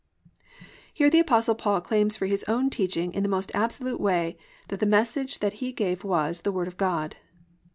"+ Here the Apostle Paul claims for his own teaching in the most absolute way that the message that he gave was "the Word of God."